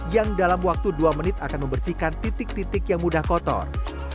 yang dalam waktu dua menit akan membersihkan titik titik yang mudah kotor